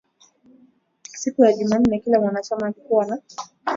Siku ya jumanne kila mwanachama alikuwa na